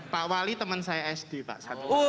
pak wali teman saya sd pak satwa